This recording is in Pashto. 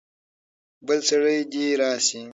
بل سړی دې راسي.